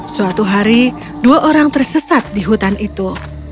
suatu hari dua orang tersesat di hutan itu